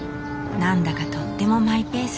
何だかとってもマイペース。